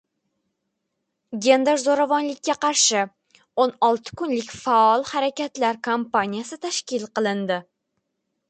“Gender zo‘ravonlikka qarshi o'n olti kunlik faol harakatlar” kompaniyasi tashkil qilindi